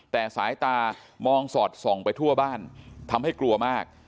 แต่สายตามองสอดส่องไปทั่วบ้านทำให้กลัวมาก